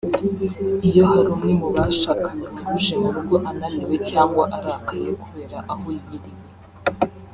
Iyo hari umwe mu bashakanye wari uje mu rugo ananiwe cyangwa arakaye kubera aho yiriwe